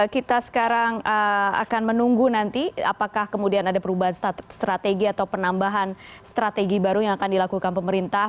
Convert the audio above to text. kita sekarang akan menunggu nanti apakah kemudian ada perubahan strategi atau penambahan strategi baru yang akan dilakukan pemerintah